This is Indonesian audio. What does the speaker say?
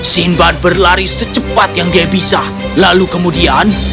sinbad berlari secepat yang dia bisa lalu kemudian